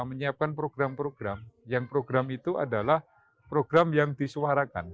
menyiapkan program program yang program itu adalah program yang disuarakan